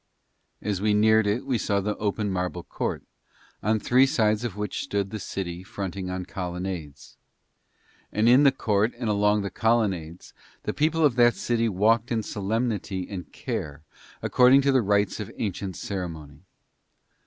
As we neared it we saw the open marble court, on three sides of which stood the city fronting on colonnades. And in the court and along the colonnades the people of that city walked with solemnity and care according to the rites of ancient ceremony.